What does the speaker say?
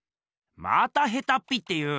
またヘタッピって言う。